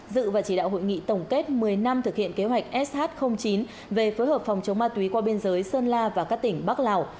dự và chỉ đạo hội nghị tổng kết một mươi năm thực hiện kế hoạch sh chín về phối hợp phòng chống ma túy qua biên giới sơn la và các tỉnh bắc lào